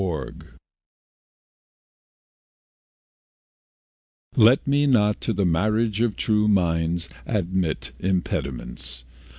CXVI Let me not to the marriage of true minds Admit impediments.